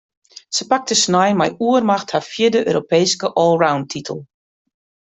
Se pakte snein mei oermacht har fjirde Europeeske allroundtitel.